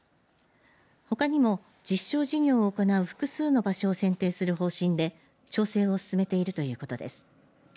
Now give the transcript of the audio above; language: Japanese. ほかにも実証事業を行う複数の場所を選定する方針で調整を進めているということです。